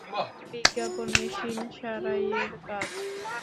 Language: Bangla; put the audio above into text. বিজ্ঞাপন মেশিন সারাইয়ের কাজ।